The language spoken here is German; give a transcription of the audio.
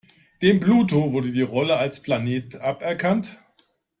Dem Pluto wurde die Rolle als Planet aberkannt.